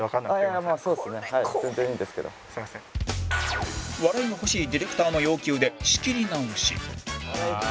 笑いが欲しいディレクターの要求で仕切り直し